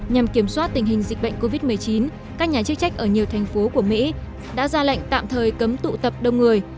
nhằm kiểm soát tình hình dịch bệnh covid một mươi chín các nhà chức trách ở nhiều thành phố của mỹ đã ra lệnh tạm thời cấm tụ tập đông người